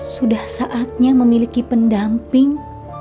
sudah saatnya memiliki pendamping